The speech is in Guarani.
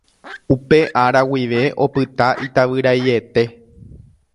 Upe ára guive opyta itavyraiete.